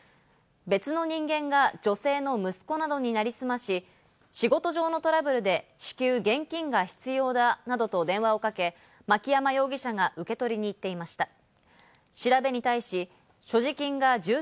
別の人間が女性の息子などになりすまし、仕事上のトラブルで至急現金が必要だなどと電話をかけ、マキヤマ容疑者が受け取りに行っていました。